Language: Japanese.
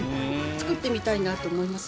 作ってみたいなと思います。